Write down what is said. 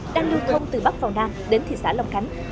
đang lưu thông từ bắc vào nam đến thị xã long khánh